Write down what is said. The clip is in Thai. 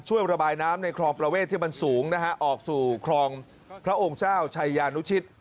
ระบายน้ำในคลองประเวทที่มันสูงนะฮะออกสู่คลองพระองค์เจ้าชายานุชิต